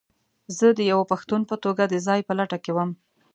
زه د یوه پښتون په توګه د ځاى په لټه کې وم.